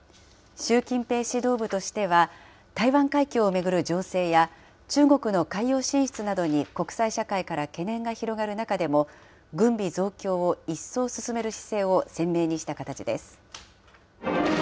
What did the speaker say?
習近平指導部としては、台湾海峡を巡る情勢や、中国の海洋進出などに国際社会から懸念が広がる中でも軍備増強を一層進める姿勢を、鮮明にした形です。